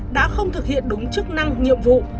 đã không thực hiện đúng chức năng nhiệm vụ